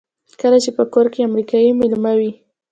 کله چې په کور کې امریکایی مېلمه وي.